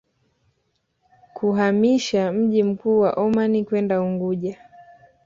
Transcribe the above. Kuhamisha mji mkuu wa Omani kwenda Unguja